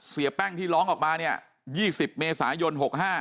เสียแป้งที่ร้องออกมาเนี่ย๒๐เมษายน๖๕